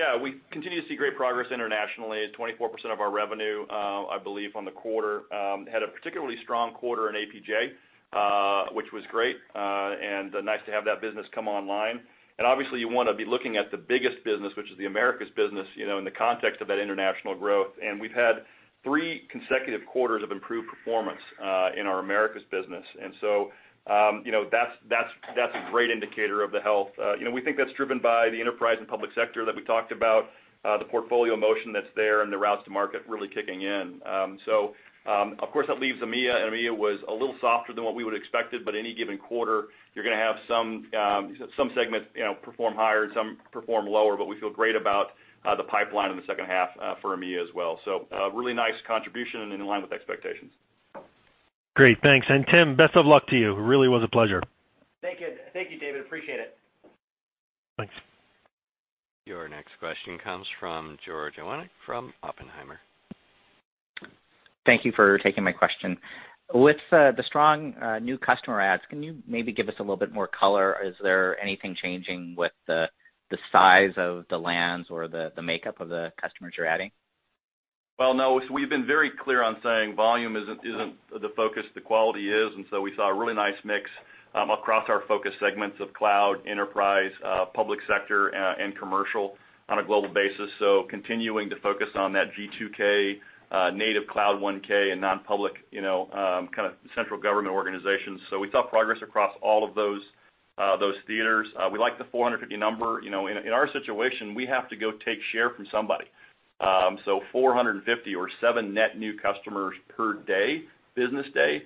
Yeah, we continue to see great progress internationally. At 24% of our revenue, I believe, on the quarter. Had a particularly strong quarter in APJ, which was great, and nice to have that business come online. Obviously, you want to be looking at the biggest business, which is the Americas business, in the context of that international growth. We've had three consecutive quarters of improved performance in our Americas business. That's a great indicator of the health. We think that's driven by the enterprise and public sector that we talked about, the portfolio motion that's there, and the routes to market really kicking in. Of course, that leaves EMEA, and EMEA was a little softer than what we would've expected, but any given quarter, you're gonna have some segments perform higher and some perform lower. We feel great about the pipeline in the second half for EMEA as well. A really nice contribution and in line with expectations. Great, thanks. Tim, best of luck to you. Really was a pleasure. Thank you, David. Appreciate it. Thanks. Your next question comes from George Iwanyc from Oppenheimer. Thank you for taking my question. With the strong new customer adds, can you maybe give us a little bit more color? Is there anything changing with the size of the lands or the makeup of the customers you're adding? No, we've been very clear on saying volume isn't the focus, the quality is. We saw a really nice mix across our focus segments of cloud, enterprise, public sector, and commercial on a global basis. Continuing to focus on that G2K, native Cloud 1K, and non-public kind of central government organizations. We saw progress across all of those theaters. We like the 450 number. In our situation, we have to go take share from somebody. 450 or seven net new customers per day, business day.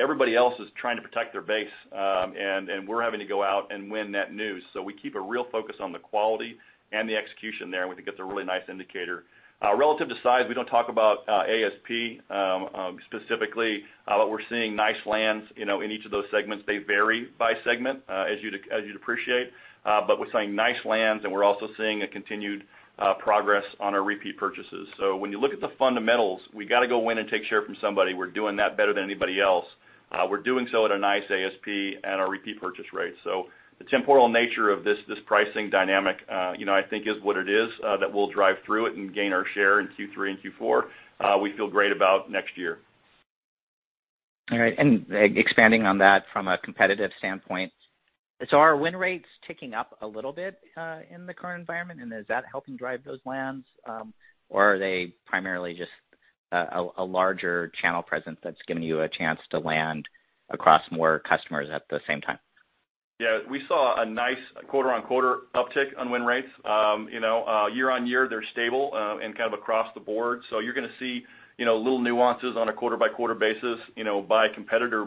Everybody else is trying to protect their base, and we're having to go out and win net new. We keep a real focus on the quality and the execution there, and we think that's a really nice indicator. Relative to size, we don't talk about ASP specifically, but we're seeing nice lands in each of those segments. They vary by segment, as you'd appreciate. We're seeing nice lands, and we're also seeing a continued progress on our repeat purchases. When you look at the fundamentals, we got to go in and take share from somebody. We're doing that better than anybody else. We're doing so at a nice ASP and our repeat purchase rate. The temporal nature of this pricing dynamic, I think is what it is that we'll drive through it and gain our share in Q3 and Q4. We feel great about next year. All right. Expanding on that from a competitive standpoint, so are win rates ticking up a little bit, in the current environment? Is that helping drive those lands? Are they primarily just a larger channel presence that's giving you a chance to land across more customers at the same time? Yeah, we saw a nice quarter-on-quarter uptick on win rates. Year-on-year, they're stable, and kind of across the board. You're going to see little nuances on a quarter-by-quarter basis, by competitor.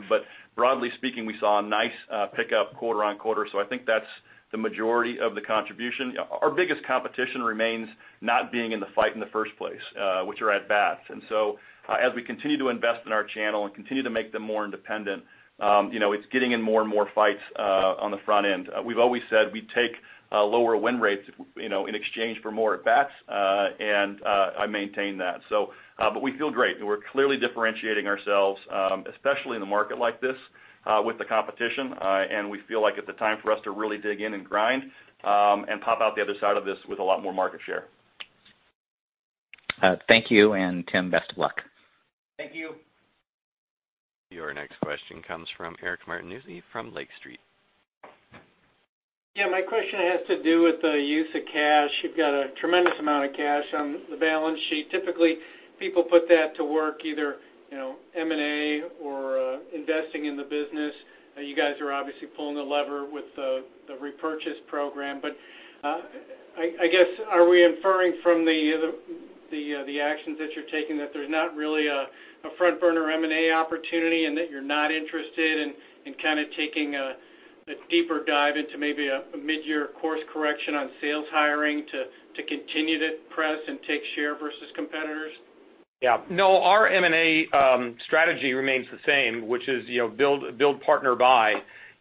Broadly speaking, we saw a nice pickup quarter-on-quarter, so I think that's the majority of the contribution. Our biggest competition remains not being in the fight in the first place, which are at bats. As we continue to invest in our channel and continue to make them more independent, it's getting in more and more fights on the front end. We've always said we take lower win rates in exchange for more at bats, and I maintain that. We feel great, and we're clearly differentiating ourselves, especially in a market like this, with the competition. We feel like it's a time for us to really dig in and grind, and pop out the other side of this with a lot more market share. Thank you, and Tim, best of luck. Thank you. Your next question comes from Eric Martinucci from Lake Street. Yeah, my question has to do with the use of cash. You've got a tremendous amount of cash on the balance sheet. Typically, people put that to work, either M&A or investing in the business. You guys are obviously pulling the lever with the repurchase program. I guess, are we inferring from the actions that you're taking that there's not really a front-burner M&A opportunity, and that you're not interested in taking a deeper dive into maybe a midyear course correction on sales hiring to continue to press and take share versus competitors? Yeah. No, our M&A strategy remains the same, which is build, partner, buy.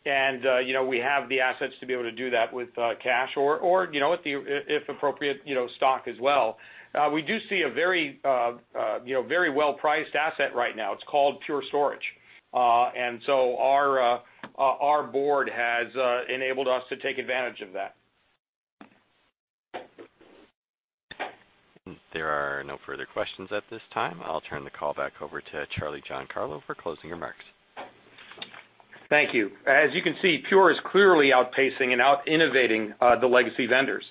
We have the assets to be able to do that with cash or, if appropriate, stock as well. We do see a very well-priced asset right now. It's called Pure Storage. Our board has enabled us to take advantage of that. There are no further questions at this time. I'll turn the call back over to Charlie Giancarlo for closing remarks. Thank you. As you can see, Everpure is clearly outpacing and out-innovating the legacy vendors.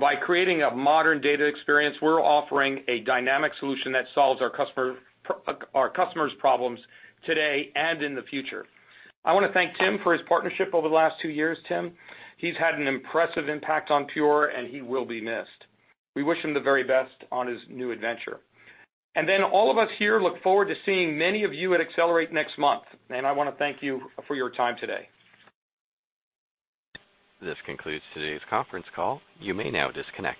By creating a modern data experience, we're offering a dynamic solution that solves our customers' problems today and in the future. I want to thank Tim for his partnership over the last two years. Tim, he's had an impressive impact on Everpure, and he will be missed. We wish him the very best on his new adventure. All of us here look forward to seeing many of you at Accelerate next month. I want to thank you for your time today. This concludes today's conference call. You may now disconnect.